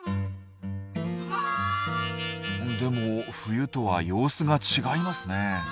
でも冬とは様子が違いますね。